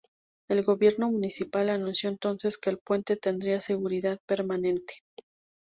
El gobierno municipal anunció entonces que el puente tendría seguridad permanente.